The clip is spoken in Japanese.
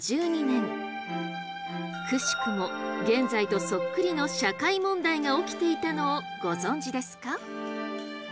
くしくも現在とそっくりの社会問題が起きていたのをご存じですか？